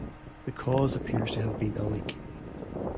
The cause appears to have been a leak.